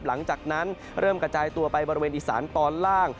หลังจากนั้นเริ่มกระจายตัวไปบริเวณอีสานตอนล่าง